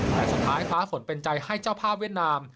แต่สุดท้ายฟ้าฝนเป็นใจให้เจ้าภาพเวียดนาม